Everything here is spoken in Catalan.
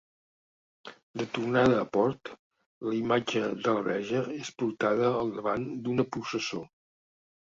De tornada a port, la imatge de la verge és portada al davant d'una processó.